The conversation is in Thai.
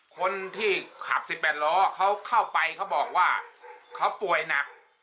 คนที่ขับ๑๘ล้อเขาเข้าไปเขาบอกว่าเขาป่วยหนัก